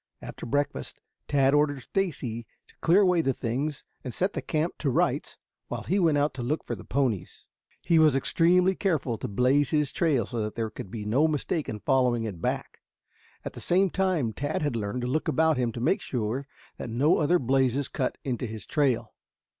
After breakfast Tad ordered Stacy to clear away the things and set the camp to rights while he went out to look for the ponies. He was extremely careful to blaze his trail so that there could be no mistake in following it back. At the same time Tad had learned to look about him to make sure that no other blazes cut into his trail.